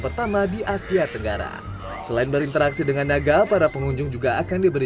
pertama di asia tenggara selain berinteraksi dengan naga para pengunjung juga akan diberi